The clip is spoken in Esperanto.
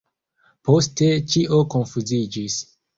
Poste ĉio konfuziĝis.